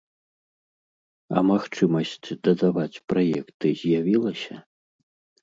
А магчымасць дадаваць праекты з'явілася?